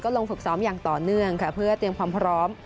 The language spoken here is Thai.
ลงฝึกซ้อมอย่างต่อเนื่องค่ะเพื่อเตรียมความพร้อม